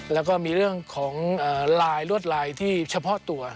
แล้วก็มีเรื่องของลายลวดลายที่เฉพาะตัว